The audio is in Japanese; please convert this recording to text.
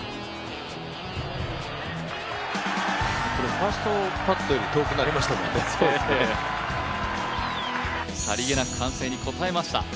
ファーストパットより遠くなりましたね。